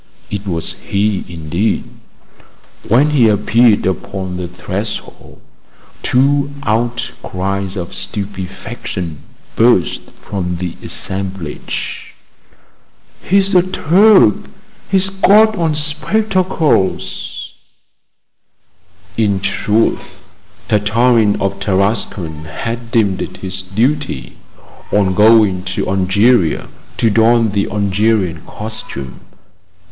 It was he indeed. When he appeared upon the threshold, two outcries of stupefaction burst from the assemblage: "He's a Turk!" "He's got on spectacles!" In truth, Tartarin of Tarascon had deemed it his duty, on going to Algeria, to don the Algerian costume.